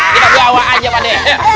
kita bawa aja pak deh